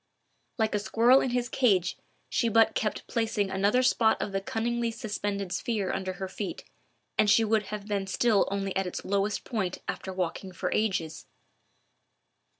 Like a squirrel in his cage she but kept placing another spot of the cunningly suspended sphere under her feet, and she would have been still only at its lowest point after walking for ages.